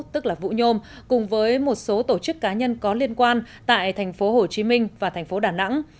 tức là vũ nhôm cùng với một số tổ chức cá nhân có liên quan tại thành phố hồ chí minh và thành phố đà nẵng